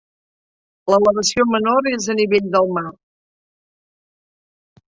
L'elevació menor és al nivell del mar.